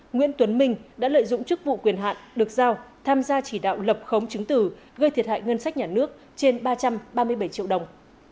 nguyễn tuấn minh đã lợi dụng chức vụ quyền hạn được giao tham gia chỉ đạo lập khống chứng tử gây thiệt hại ngân sách nhà nước trên ba trăm ba mươi bảy triệu đồng